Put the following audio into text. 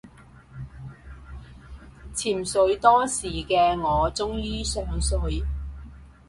潛水多時嘅我終於上水